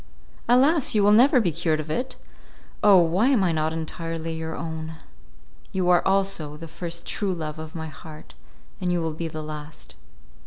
Alas! you will never be cured of it. Oh! why am I not entirely your own? You are also the first true love of my heart, and you will be the last.